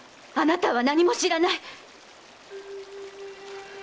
あなたは何も知らない！